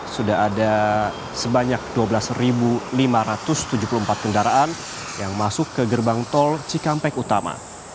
sudah ada sebanyak dua belas lima ratus tujuh puluh empat kendaraan yang masuk ke gerbang tol cikampek utama